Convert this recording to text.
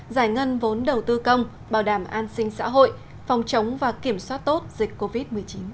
giải ngân vốn đầu tư công bảo đảm an sinh xã hội phòng chống và kiểm soát tốt dịch covid một mươi chín